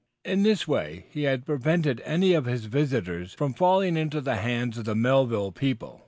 In this way, he prevented any of his visitors from falling into the hands of the Melville people.